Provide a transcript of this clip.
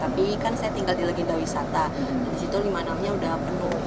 tapi kan saya tinggal di legenda wisata di situ lima enam nya sudah penuh